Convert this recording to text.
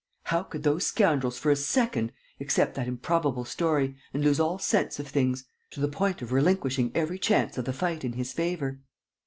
How could those scoundrels for a second accept that improbable story and lose all sense of things, to the point of relinquishing every chance of the fight in his favor?